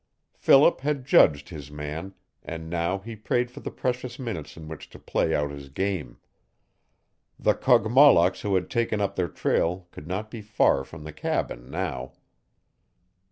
Philip had judged his man, and now he prayed for the precious minutes in which to play out his game. The Kogmollocks who had taken up their trail could not be far from the cabin now.